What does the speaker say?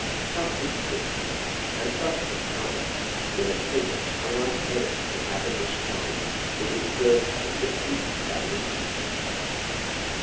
Such was the scene, and such the time, when a figure, unlike any that have been described, was observed at a distance down the street.